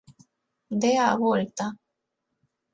Dea a volta.